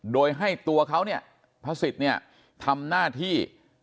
โดยให้ตัวเขาเนี่ยพระสิทธิ์เนี่ยทำหน้าที่